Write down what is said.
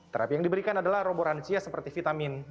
terapi yang diberikan adalah remboransia seperti vitamin dan suplemen